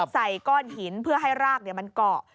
ก้อนหินเพื่อให้รากมันเกาะ